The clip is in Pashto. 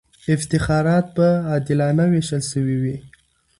افتخارات به عادلانه وېشل سوي وي.